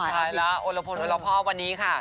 และแล้วโรพนโฮนทาร์ฟวันนี้ค่ะ